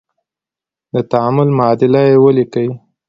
د تعامل معادله یې ولیکئ.